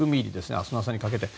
明日の朝にかけて。